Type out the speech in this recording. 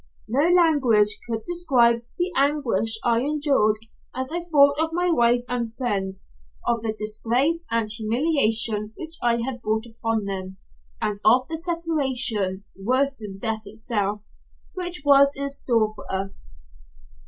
No language could describe the anguish I endured as I thought of my wife and my friends, of the disgrace and humiliation which I had brought upon them, and of the separation, worse than death itself, which was in store for us.